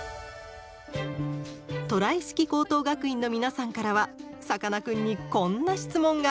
トライ式高等学院の皆さんからはさかなクンにこんな質問が。